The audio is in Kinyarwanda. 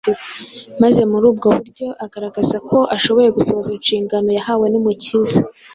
maze muri ubwo buryo agaragaza ko ashoboye gusohoza inshingano yahawe n’umukiza.